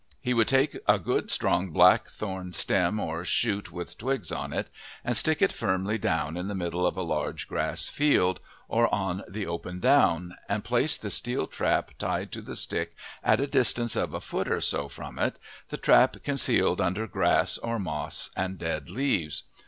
He would take a good, strong blackthorn stem or shoot with twigs on it, and stick it firmly down in the middle of a large grass field or on the open down, and place the steel trap tied to the stick at a distance of a foot or so from it, the trap concealed under grass or moss and dead leaves.